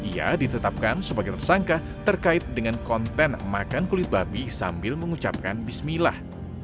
ia ditetapkan sebagai tersangka terkait dengan konten makan kulit babi sambil mengucapkan bismillah